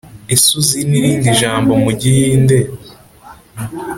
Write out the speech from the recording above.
Ese uzi n’irindi jambo mu gihinde